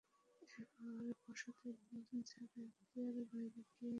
এরপর পর্ষদের অনুমোদন ছাড়া এখতিয়ারের বাইরে গিয়ে এমডি নিজেই জামানত পরিবর্তন করেন।